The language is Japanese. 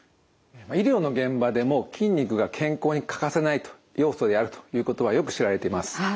医療の現場でも筋肉が健康に欠かせないと要素であるということはよく知られています。